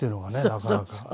なかなか。